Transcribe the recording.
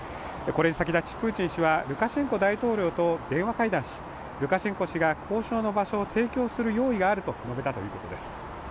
これに先立ちプーチン氏はルカシェンコ大統領と電話会談しルカシェンコ氏が交渉の場所を提供する用意があると述べたということです。